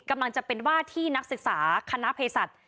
กำลังจะเป็นว่าที่นักศึกษาคณะเพศศัตริย์